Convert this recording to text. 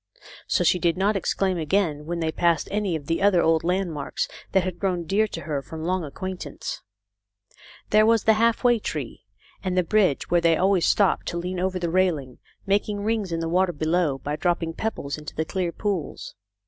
So she did not exclaim again when they passed any of the other old landmarks that had grown dear to her from long acquaintance. 34 THE LITTLE COLONEL'S HOLIDAYS. There was the half way tree, and the bridge where they always stopped to lean over the railing and make rings in the water below, by dropping pebbles into the clear pools.